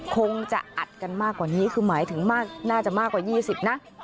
คงจะอัดกันมากกว่านี้คือหมายถึงน่าจะมากกว่า๒๐นะ